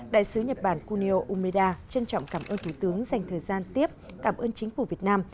đại sứ nhật bản kunio umeda trân trọng cảm ơn thủ tướng dành thời gian tiếp cảm ơn chính phủ việt nam